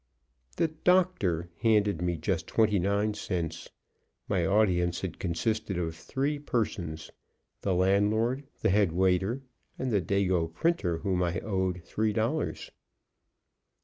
The "Doctor" handed me just twenty nine cents. My audience had consisted of three persons: the landlord, the head waiter, and the Dago printer whom I owed three dollars.